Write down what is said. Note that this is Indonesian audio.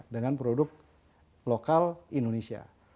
dengan produk lokal indonesia